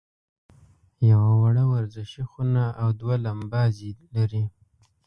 یوه وړه ورزشي خونه او دوه لمباځي لري.